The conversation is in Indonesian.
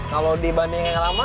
kalau dibanding yang lama